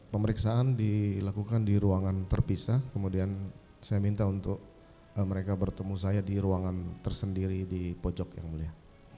pemeriksaan dilakukan di ruangan terpisah kemudian saya minta untuk mereka bertemu saya di ruangan tersendiri di pojok yang mulia